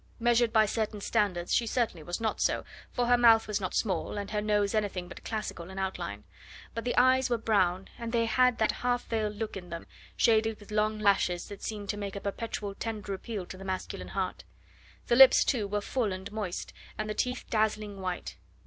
Measured by certain standards, she certainly was not so, for her mouth was not small, and her nose anything but classical in outline. But the eyes were brown, and they had that half veiled look in them shaded with long lashes that seemed to make a perpetual tender appeal to the masculine heart: the lips, too, were full and moist, and the teeth dazzling white.